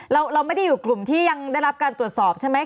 เราไม่ได้อยู่กลุ่มที่ยังได้รับการตรวจสอบใช่ไหม